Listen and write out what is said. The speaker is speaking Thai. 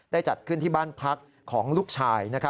จัดขึ้นที่บ้านพักของลูกชาย